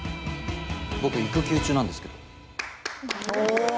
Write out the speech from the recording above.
僕、育休中なんですけど。